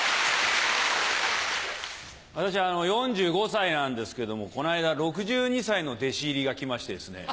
私４５歳なんですけどもこの間６２歳の弟子入りが来ましてですね。